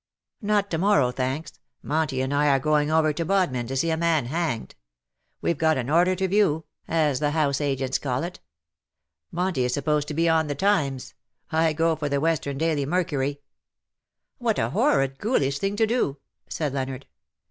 '^ "Not to morrow, thanks. Monty and I arc going over to Bodmin to see a man hanged. We've got an order to view, as the house agents 268 "who knows not circe ?" call it. Monty is supposed to be on the Times. I go for the Western Daily Mercury'* " What a horrid ghoulish thing to do/^ said Leonard.